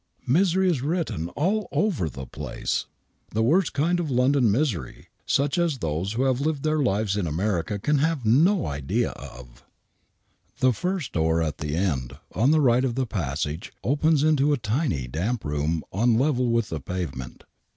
Misery is written all over the place — the worst kind of London misery — such as those who have lived their lives in America can have no idea of. ♦♦ I I THE WHITECHAPEL MURDERS 47 The first door at the end, on the right of the passage, opens into a tiny damp room on a level with the pavement.